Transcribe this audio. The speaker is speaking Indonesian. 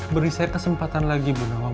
beri saya kesempatan lagi bu nawa